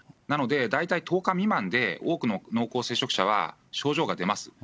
なので大体１０日未満で、多くの濃厚接触者は症状が出ます。